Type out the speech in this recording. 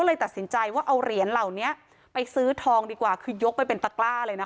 เลยตัดสินใจว่าเอาเหรียญเหล่านี้ไปซื้อทองดีกว่าคือยกไปเป็นตะกล้าเลยนะคะ